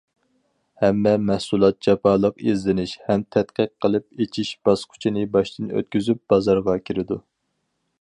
ھەممە مەھسۇلات جاپالىق ئىزدىنىش ھەم تەتقىق قىلىپ ئېچىش باسقۇچىنى باشتىن ئۆتكۈزۈپ بازارغا كىرىدۇ.